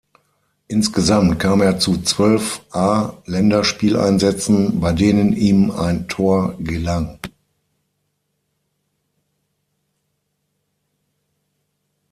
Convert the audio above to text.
Insgesamt kam er zu zwölf A-Länderspieleinsätzen bei denen ihm ein Tor gelang.